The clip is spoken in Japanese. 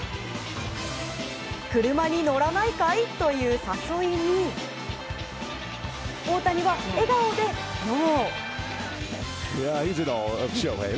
車に乗らないかいという誘いに大谷は、笑顔でノー。